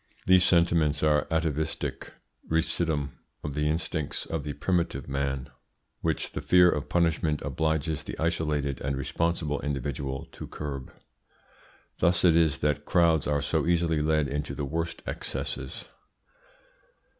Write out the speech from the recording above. These sentiments are atavistic residuum of the instincts of the primitive man, which the fear of punishment obliges the isolated and responsible individual to curb. Thus it is that crowds are so easily led into the worst excesses.